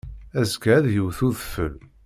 Azekka ad yewt udfel.